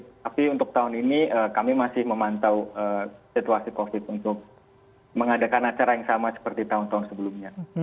tapi untuk tahun ini kami masih memantau situasi covid untuk mengadakan acara yang sama seperti tahun tahun sebelumnya